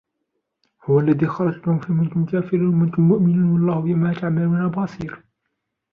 هو الذي خلقكم فمنكم كافر ومنكم مؤمن والله بما تعملون بصير